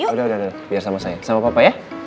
udah udah deh biar sama saya sama papa ya